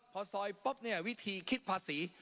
พอซอยปุ๊บเนี่ยวิธีคิดภาษี